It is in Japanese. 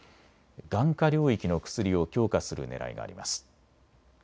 眼科領域の薬を強化するねらいがあります。